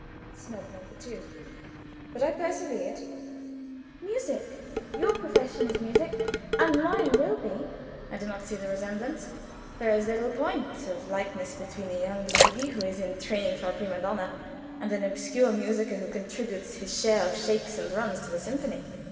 Snub number two. But I persevered. "Music. Your profession is music, and mine will be." "I do not see the resemblance. There is little point of likeness between a young lady who is in training for a prima donna and an obscure musiker, who contributes his share of shakes and runs to the symphony."